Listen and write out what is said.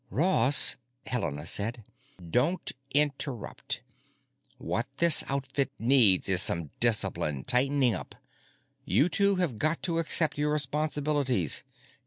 "Ross——" Helena said. "Don't interrupt! What this outfit needs is some discipline—tightening up. You two have got to accept your responsibilities.